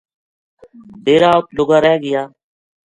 ڈیرا اُت لُگا رہ گیا